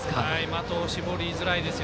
的を絞りづらいです。